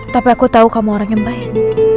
tapi aku tahu kamu orang yang baik